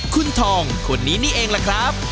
คุณทองคนนี้นี่เองล่ะครับ